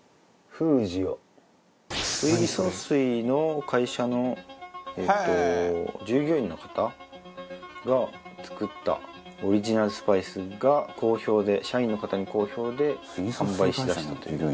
水素水の会社の従業員の方が作ったオリジナルスパイスが好評で社員の方に好評で販売しだしたという。